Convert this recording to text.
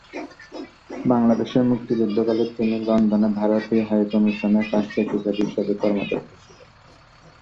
বাংলাদেশের মুক্তিযুদ্ধকালে তিনি লন্ডনে ভারতীয় হাইকমিশনের ফার্স্ট সেক্রেটারি হিসেবে কর্মরত ছিলেন।